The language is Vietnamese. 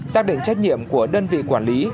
xác định trách nhiệm của đơn vị quản lý